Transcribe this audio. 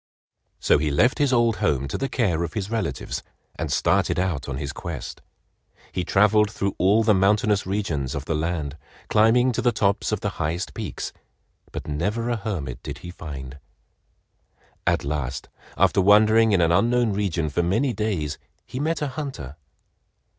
So he left his old home to the care of his relatives, and started out on his quest. He traveled through all the mountainous regions of the land, climbing to the tops of the highest peaks, but never a hermit did he find. At last, after wandering in an unknown region for many days, he met a hunter.